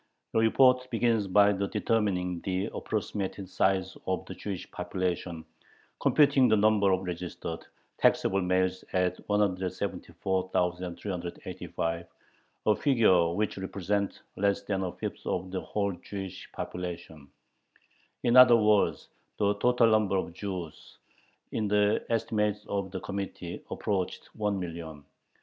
The report begins by determining the approximate size of the Jewish population, computing the number of registered, taxable males at 174,385 "a figure which represents less than a fifth of the whole Jewish population." In other words, the total number of Jews, in the estimate of the Committee, approached one million.